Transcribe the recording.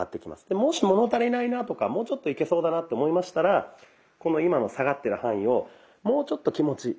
もし物足りないなとかもうちょっといけそうだなと思いましたらこの今の下がってる範囲をもうちょっと気持ち。